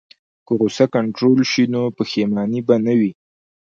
که غوسه کنټرول شي، نو پښیماني به نه وي.